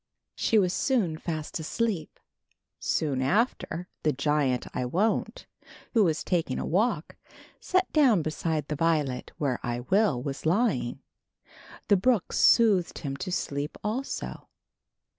She was soon fast asleep. Soon after, the giant, I Won't, who was taking a walk, sat down beside the violet where I Will was lying. The brook soothed him to sleep also.